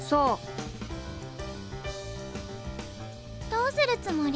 「どうするつもり？」。